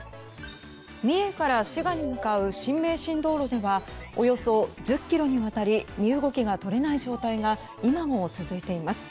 三重から滋賀に向かう新名神道路ではおよそ１０ｋｍにわたり身動きが取れない状態が今も続いています。